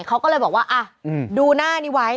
เขาก็เลยบอกว่าดูหน้านี้ไว้